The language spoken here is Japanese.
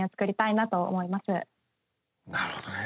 なるほどね。